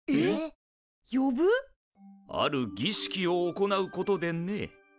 あるぎしきを行うことでね。